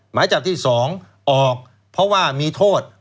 หมายจับที่๒ออกเพราะว่ามีโทษ